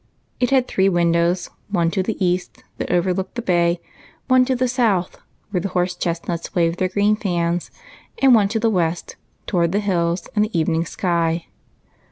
It had three windows, — one to the east, that over looked the bay ; one to the south, where the horse chestnuts waved their green fans ; and one to the west, toward the hills and the evening sky.